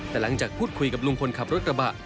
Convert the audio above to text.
แต่หลังจากพูดคุยกับลุงคนขับรถกระบะ